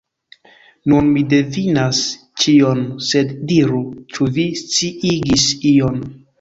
Nun mi divenas ĉion, sed diru, ĉu vi sciigis ion!